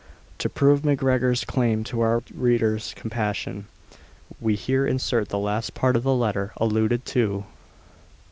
To prove MacGregor's claim to our reader's compassion, we here insert the last part of the letter alluded to.